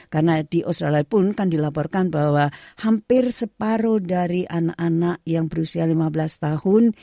karena di australia pun kan dilaporkan bahwa hampir separuh dari anak anak yang berusia lima belas tahun